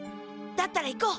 だったら行こう。